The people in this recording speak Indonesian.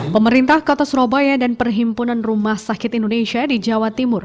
pemerintah kota surabaya dan perhimpunan rumah sakit indonesia di jawa timur